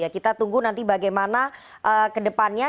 kita tunggu nanti bagaimana ke depannya